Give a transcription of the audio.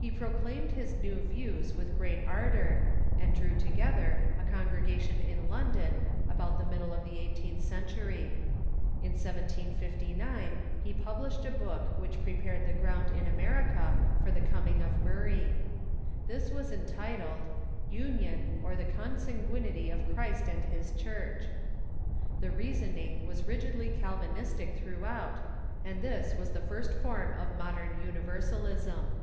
He proclaimed his new views with great ardor, and drew together a congregation in London about the middle of the eighteenth century. In 1759 he published a book which THK UNIVERSALIST CHURCH • 551 prepared the ground in America for the coming of Murray. This was entitled " Union, or the Consanguinity of Christ and His Church." The reasoning was rigidly Calvinistic throughout, and this was the first form of modern Universal ism.